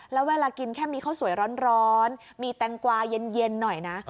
แล้วเวลากินแค่มีข้าวสวยร้อนมีแตงกวาเย็นหน่อยนะ